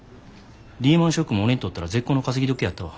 リーマンショックも俺にとったら絶好の稼ぎ時やったわ。